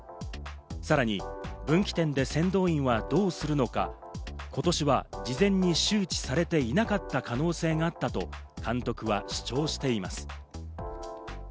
さらに分岐点で先導員はどうするのか、今年は事前に周知されていなかった可能性があったと監督は主張しています。